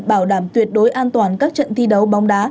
bảo đảm tuyệt đối an toàn các trận thi đấu bóng đá